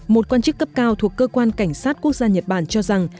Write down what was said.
một quan chức cấp cao thuộc cơ quan cảnh sát quốc gia nhật bản cho rằng